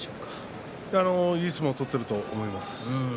いい相撲を取っていると思います。